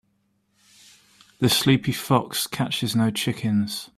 The sleepy fox catches no chickens.